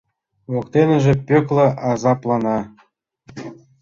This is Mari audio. Воктеныже Пӧкла азаплана.